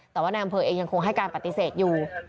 แต่ว่านายอำเภอเองยังคงให้การปฏิเสธอยู่